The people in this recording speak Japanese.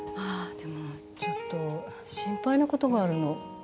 ああでもちょっと心配なことがあるの。